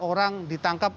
empat orang ditangkap